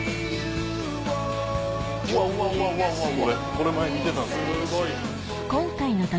これ前見てたんです。